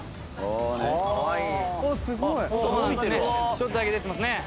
ちょっとだけ出てますね。